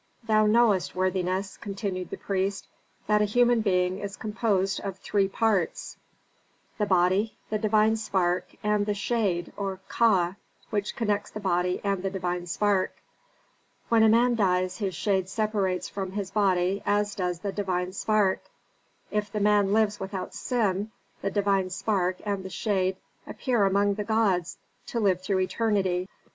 Thou knowest, worthiness," continued the priest, "that a human being is composed of three parts: the body, the divine spark, and the shade, or Ka, which connects the body and the divine spark. "When a man dies his shade separates from his body as does the divine spark. If the man lives without sin the divine spark and the shade appear among the gods to live through eternity.